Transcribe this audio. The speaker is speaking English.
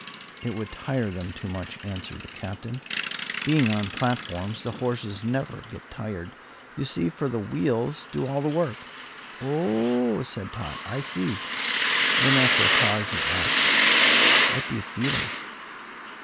"It would tire them too much," answered the Captain. "Being on platforms, the horses never get tired, you see, for the wheels do all the work." "Oh!" said Tot, "I see." Then, after a pause, he asked: "What do you feed 'em?"